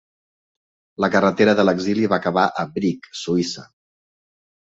La carretera de l'exili va acabar a Brig, Suïssa.